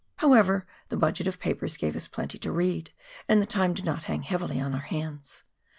However, the budget of papers gave us plenty to read, and the time did not hang heavily on our hands.